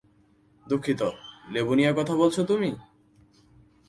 দুঃখিত, লেবু নিয়ে কথা বলছো তুমি?